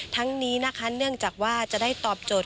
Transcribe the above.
ทั้งนี้นะคะเนื่องจากว่าจะได้ตอบโจทย